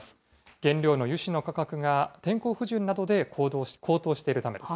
原料の油脂の価格が天候不順などで高騰しているためです。